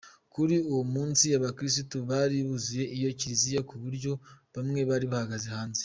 Kuri uwo munsi abakirisitu bari buzuye iyo Kiriziya ku buryo bamwe bari bahagaze hanze.